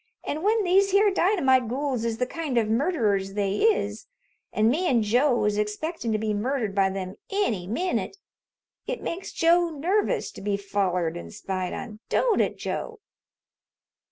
"An' when these here dynamite gools is the kind of murderers they is, an' me and Joe is expectin' to be murdered by them any minute, it makes Joe nervous to be follered an' spied on, don't it, Joe?"